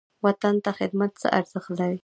وطن ته خدمت څه ارزښت لري؟